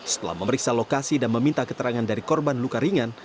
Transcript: setelah memeriksa lokasi dan meminta keterangan dari korban luka ringan